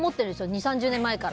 ２０年３０年前から。